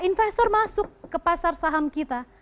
investor masuk ke pasar saham kita